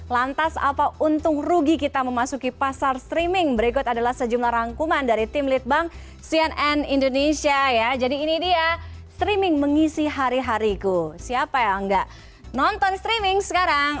lantas apa untung rugi kita memasuki pasar streaming berikut adalah sejumlah rangkuman dari tim litbang cnn indonesia ya jadi ini dia streaming mengisi hari hariku siapa yang enggak nonton streaming sekarang